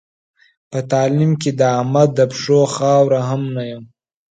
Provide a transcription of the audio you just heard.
په تعلیم کې د احمد د پښو خاوره هم نه یم.